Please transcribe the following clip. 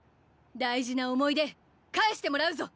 大事な思い出返してもらうぞ！